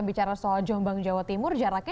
bicara soal jombang jawa timur jaraknya